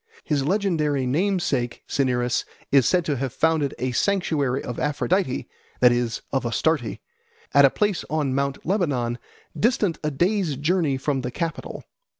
His legendary namesake Cinyras is said to have founded a sanctuary of Aphrodite, that is, of Astarte, at a place on Mount Lebanon, distant a day's journey from the capital.